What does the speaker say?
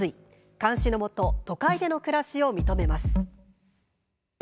監視のもと都会での暮らしを認めます。